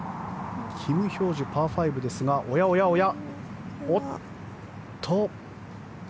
キム・ヒョージュ、パー５ですがおやおや、おっと。